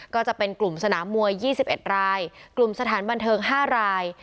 ก็จะเป็นกลุ่มสนามมวย๒๑รายกลุ่มสถานบันเทิง๕ราย